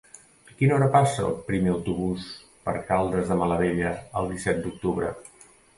A quina hora passa el primer autobús per Caldes de Malavella el disset d'octubre?